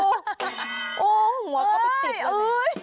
โอ้โฮหัวเข้าไปติดแล้ว